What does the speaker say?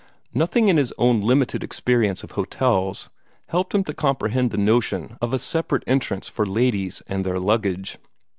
Nothing in his own limited experience of hotels helped him to comprehend the notion of a separate entrance for ladies and their luggage.